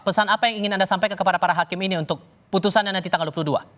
pesan apa yang ingin anda sampaikan kepada para hakim ini untuk putusannya nanti tanggal dua puluh dua